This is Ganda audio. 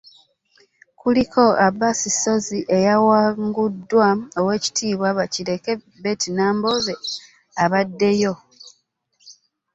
Kuliko Abbasi Ssozi eyawaguddwa oweekitiibwa Bakireke Betty Nambooze abaddeyo